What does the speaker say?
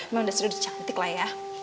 memang udah serius cantik lah ya